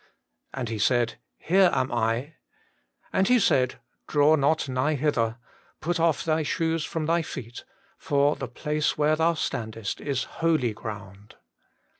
And he said, Here am I. And He said, Draw not nigh hither; put off thy shoes from thy feet, for the place where thou standest is holy ground.